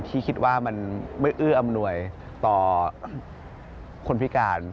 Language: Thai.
ที่คิดว่ามันไม่เอื้ออำนวยต่อคนพิการ